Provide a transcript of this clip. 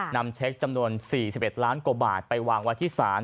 นำเช็คจำนวน๔๑ล้านกว่าบาทไปวางไว้ที่ศาล